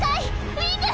ウィング！